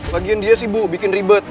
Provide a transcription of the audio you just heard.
bagian dia sih bu bikin ribet